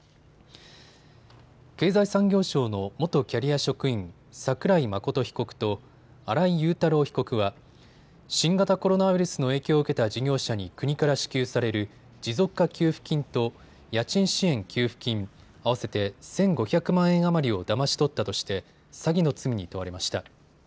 経済産業省の元キャリア職員、櫻井眞被告と新井雄太郎被告は新型コロナウイルスの影響を受けた事業者に国から支給される持続化給付金と家賃支援給付金、合わせて１５００万円余りをだまし取ったとして詐欺の罪に問われました。